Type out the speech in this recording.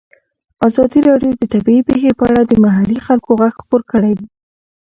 ازادي راډیو د طبیعي پېښې په اړه د محلي خلکو غږ خپور کړی.